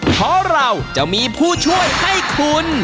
เพราะเราจะมีผู้ช่วยให้คุณ